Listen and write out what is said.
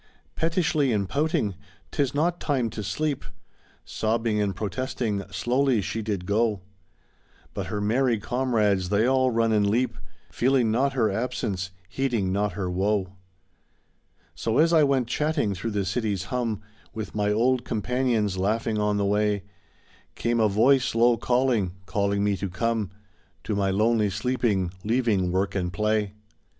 Pettishly and pouting, " 'Tis not time to sleep,*' Sobbing and protesting, slowly she did go; But her merry comrades they all run and leap, Feeling not her absence, heeding not her woe. So as I went chatting through the city's hum. With my old companions laughing on the way, Came a voice low calling, calling me to come To my lonely sleeping, leaving work and play.